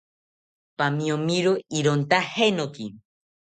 ¡Pamiomiro ironta jenoki!